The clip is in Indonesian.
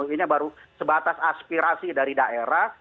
ini baru sebatas aspirasi dari daerah